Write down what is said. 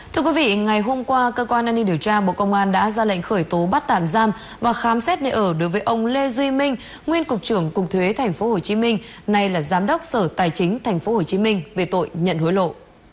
thưa quý vị ngày hôm qua cơ quan an ninh điều tra bộ công an đã ra lệnh khởi tố bắt tạm giam và khám xét nơi ở đối với ông lê duy minh nguyên cục trưởng cục thuế tp hcm nay là giám đốc sở tài chính tp hcm về tội nhận hối lộ